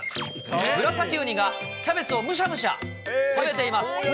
ムラサキウニがキャベツをむしゃむしゃ食べています。